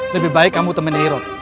lebih baik kamu teman hero